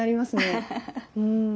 うん。